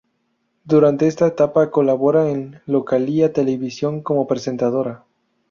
Durante esta etapa colabora en Localia Televisión como presentadora.